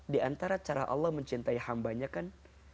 di antara cara allah mencintai hambanya kan